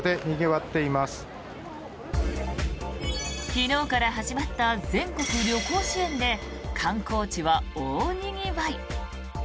昨日から始まった全国旅行支援で観光地は大にぎわい。